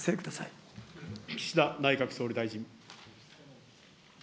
岸田内閣総理大臣。